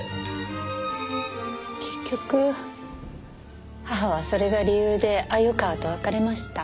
結局母はそれが理由で鮎川と別れました。